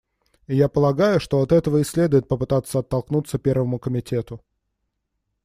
И я полагаю, что от этого и следует попытаться оттолкнуться Первому комитету.